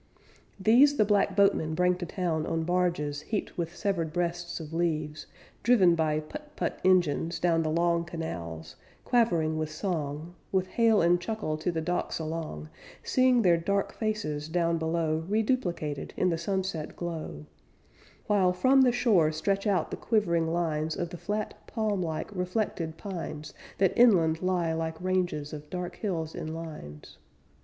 These the black boatmen bring to town On barges, heaped with severed breasts of leaves, Driven by put put engines Down the long canals, quavering with song, With hail and chuckle to the docks along, Seeing their dark faces down below Reduplicated in the sunset glow, While from the shore stretch out the quivering lines Of the flat, palm like, reflected pines That inland lie like ranges of dark hills in lines.